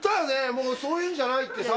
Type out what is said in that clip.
もうそういうんじゃないってさ。